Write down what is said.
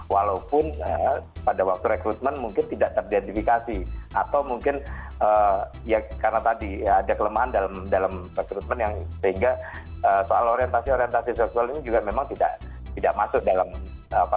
walaupun pada waktu rekrutmen mungkin tidak teridentifikasi atau mungkin ya karena tadi ada kelemahan dalam rekrutmen yang sehingga soal orientasi orientasi seksual ini juga memang tidak masuk dalam apa